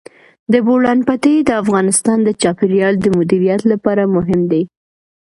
د بولان پټي د افغانستان د چاپیریال د مدیریت لپاره مهم دي.